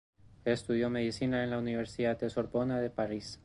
Estudió medicina en la Universidad de la Sorbona de París.